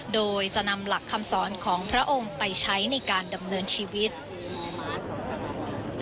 โดยจะนำหลักคำสอนของพระองค์ไปใช้ในการดำเนินชีวิต